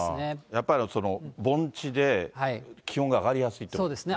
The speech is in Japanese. やっぱり盆地で気温が上がりやすいということですね。